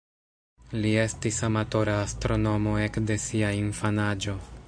Li estis amatora astronomo ekde sia infanaĝo.